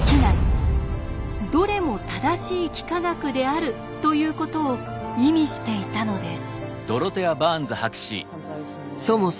どれも正しい幾何学である」ということを意味していたのです。